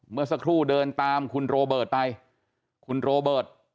เมื่อสักครู่เดินตามคุณโรเบิร์ตไปคุณโรเบิร์ต